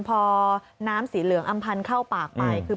พอน้ำสีเหลืองอ้ำพันเหลือเข้าปากไป